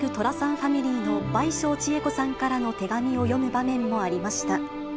ファミリーの倍賞千恵子さんからの手紙を読む場面もありまし